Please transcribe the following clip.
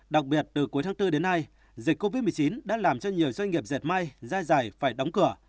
đặc biệt từ cuối tháng bốn đến nay dịch covid một mươi chín đã làm cho nhiều doanh nghiệp dệt may da dày phải đóng cửa